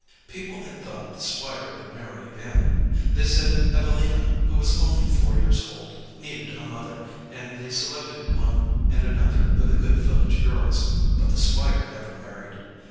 People had thought the Squire would marry again. They said Evelina, who was only four years old, needed a mother, and they selected one and another of the good village girls. But the Squire never married.